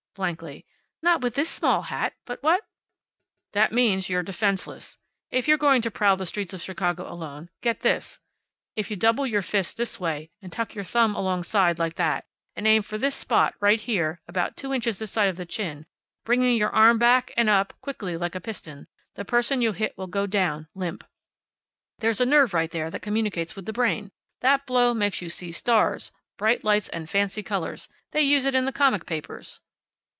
blankly. "Not with this small hat, but what " "That means you're defenseless. If you're going to prowl the streets of Chicago alone get this: If you double your fist this way, and tuck your thumb alongside, like that, and aim for this spot right here, about two inches this side of the chin, bringing your arm back, and up, quickly, like a piston, the person you hit will go down, limp. There's a nerve right here that communicates with the brain. That blow makes you see stars, bright lights, and fancy colors. They use it in the comic papers."